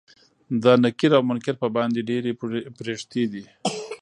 دا نکير او منکر په باندې ډيرې پريښتې دي